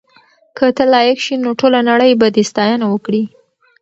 که ته لایق شې نو ټوله نړۍ به دې ستاینه وکړي.